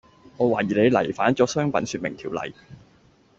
我懷疑你違反咗商品説明條例